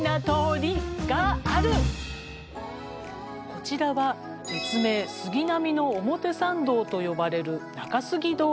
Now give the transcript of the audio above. こちらは別名杉並の表参道と呼ばれる中杉通り。